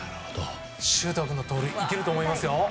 周東君の盗塁いけると思いますよ。